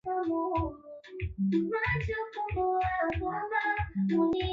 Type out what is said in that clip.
ni Mkuu wa koo akiongoza zaidi ya kaya mia tano chini ya utawala wa